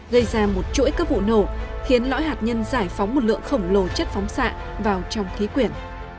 gây ra một chuỗi các vụ nổ khiến lõi hạt nhân giải phóng một lượng khổng lồ chất phóng xạ vào trong khí quyển